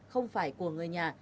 không phải của người nhà